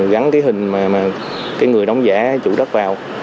gắn cái hình mà cái người đóng giả chủ đất vào